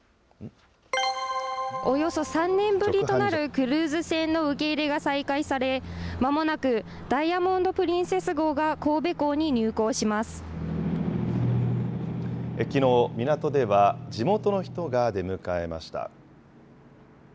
およそ３年ぶりとなるクルーズ船の受け入れが再開され、まもなくダイヤモンド・プリンセス号が、きのう、港では地元の人が出迎えました。